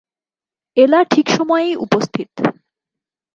এলা ঠিক সময়েই উপস্থিত।